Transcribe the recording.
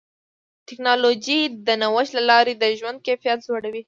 ټکنالوجي د نوښت له لارې د ژوند کیفیت لوړوي.